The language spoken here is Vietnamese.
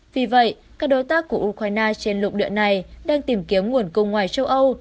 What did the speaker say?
vì vậy các đối tác của ukraine trên lục địa này đang tìm kiếm nguồn cung ngoài châu âu